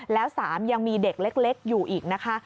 แล้ว๓ยังมีเด็กเล็กอยู่อีกนะคะ